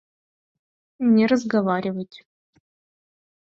— Не разговаривать!